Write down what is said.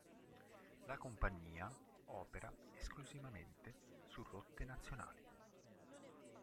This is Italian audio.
La compagnia opera esclusivamente su rotte nazionali.